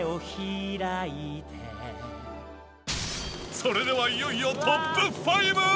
それではいよいよトップ５。